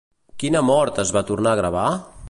Quina mort es va tornar a gravar?